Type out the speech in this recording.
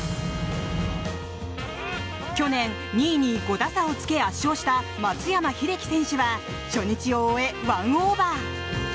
去年２位に５打差をつけ圧勝した松山英樹選手は初日を終え、１オーバー。